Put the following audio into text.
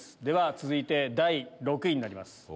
続いて第６位になります。